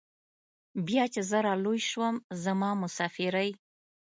بيا چې زه رالوى سوم زما مسافرۍ.